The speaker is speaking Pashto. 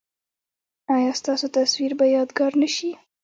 ایا ستاسو تصویر به یادګار نه شي؟